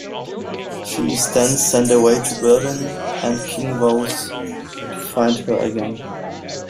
She is then sent away to Berlin and King vows to find her again.